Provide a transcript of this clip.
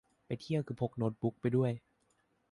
ไปเที่ยวคือพกโน๊ตบุ๊กไปด้วย